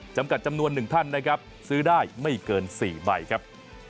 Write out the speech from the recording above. จำกัดจำนวน๑ท่านนะครับซื้อได้ไม่เกิน๔ใบครับ